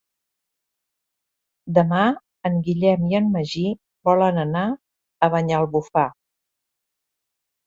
Demà en Guillem i en Magí volen anar a Banyalbufar.